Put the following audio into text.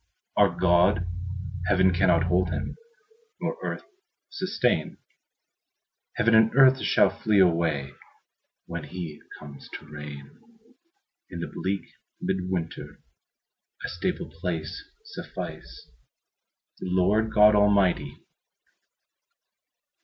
Our God, heaven cannot hold Him, Nor earth sustain; Heaven and earth shall flee away When He comes to reign: In the bleak mid winter A stable place sufficed The Lord God Almighty, Jesus Christ.